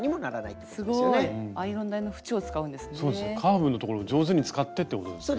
カーブのところを上手に使ってってことですよね。